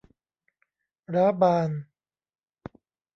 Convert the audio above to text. ร้าบาน